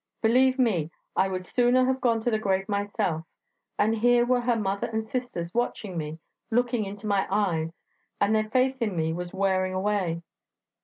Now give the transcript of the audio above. Believe me, I would sooner have gone to the grave myself; and here were her mother and sisters watching me, looking into my eyes ... and their faith in me was wearing away.